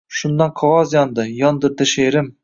Shundan qog’oz yondi – yondirdi she’rim…